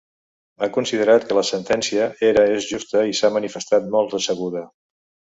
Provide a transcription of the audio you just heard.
Ha considerat que la sentència era és justa i s’ha manifestat molt decebuda.